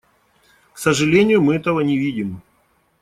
К сожалению, мы этого не видим.